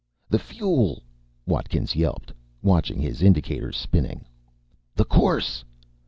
"The fuel!" Watkins yelped, watching his indicators spinning. "The course!"